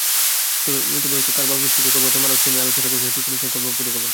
তবে কাল বাফুফের শীর্ষ কর্মকর্তারা মারুফকে নিয়ে আলোচনায় বসেছিলেন, ঠিক করেছেন কর্মপরিকল্পনা।